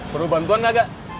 perlu bantuan nggak gak